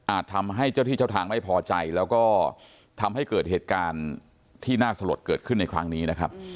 ทำให้เจ้าที่เจ้าทางไม่พอใจแล้วก็ทำให้เกิดเหตุการณ์ที่น่าสลดเกิดขึ้นในครั้งนี้นะครับ